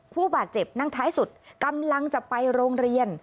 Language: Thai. ผู้บาดเจ็บนั่งท้ายสุดกำลังจะไปโรงเรียน